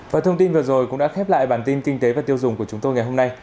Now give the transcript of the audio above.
và thông tin vừa rồi cũng đã khép lại bản tin kinh tế và tiêu dùng của chúng tôi ngày hôm nay